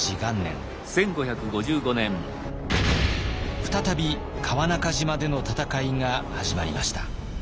再び川中島での戦いが始まりました。